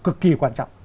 cực kỳ quan trọng